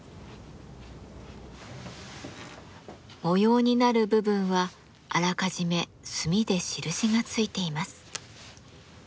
模様になる部分はあらかじめ墨で印がついています。